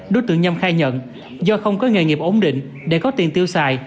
đối tượng nhâm khai nhận do không có nghề nghiệp ổn định để có tiền tiêu xài